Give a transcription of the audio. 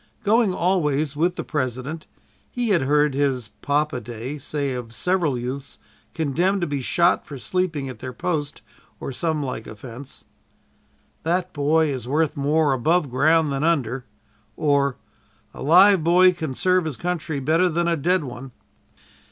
Going always with the President, he had heard his "Papa day" say of several youths condemned to be shot for sleeping at their post or some like offense: "That boy is worth more above ground than under;" or, "A live boy can serve his country better than a dead one."